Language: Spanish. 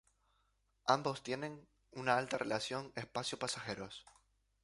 Ambos tienen una alta relación espacio-pasajeros.